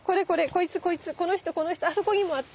こいつこいつこの人この人あそこにもあった！